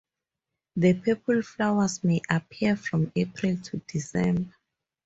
The purple flowers may appear from April to December.